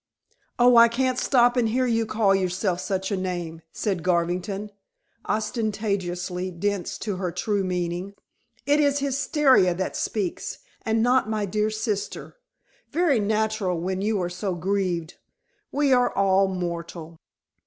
"Oh, I can't stop and hear you call yourself such a name," said Garvington, ostentatiously dense to her true meaning. "It is hysteria that speaks, and not my dear sister. Very natural when you are so grieved. We are all mortal."